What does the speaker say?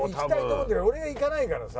俺が行かないからさ。